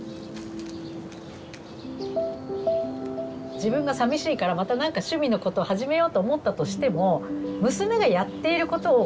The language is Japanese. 自分がさみしいからまたなんか趣味のこと始めようと思ったとしても娘がやっていることをやらないと思うんですよきっと。